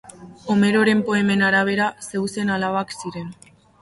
Homeroren poemen arabera Zeusen alabak ziren.